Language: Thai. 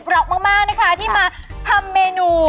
เพราะมากนะคะที่มาทำเมนู